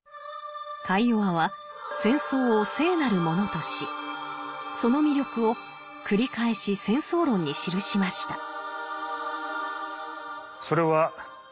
カイヨワは戦争を「聖なるもの」としその魅力を繰り返し「戦争論」に記しました。